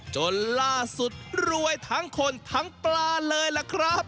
จนล่าสุดรวยทั้งคนทั้งปลาเลยล่ะครับ